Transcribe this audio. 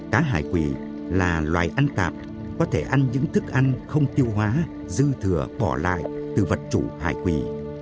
cá hải quỳ là loài ăn tạp có thể ăn những thức ăn không tiêu hóa dư thừa bỏ lại từ vật chủ hải quỷ